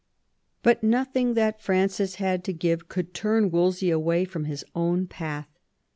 But nothing that Francis had to give could turn Wolsey away from his own path.